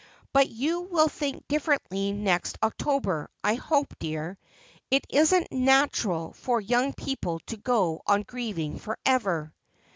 But you will think differently next October, I hope, dear. It isn't natural for young people to go on grieving for ever.'